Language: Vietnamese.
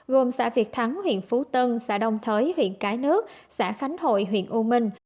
gồm xã việt thắng huyện phú tân xã đông thới huyện cái nước xã khánh hội huyện u minh